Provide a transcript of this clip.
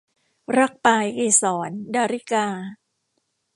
รักปลายเกสร - ดาริกา